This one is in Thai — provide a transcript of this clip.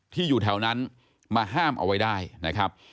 อยู่แถวนั้นมาห้ามเอาไว้ได้นะครับ